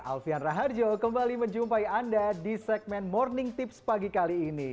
alfian raharjo kembali menjumpai anda di segmen morning tips pagi kali ini